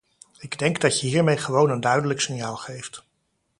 Ik denk dat je hiermee gewoon een duidelijk signaal geeft.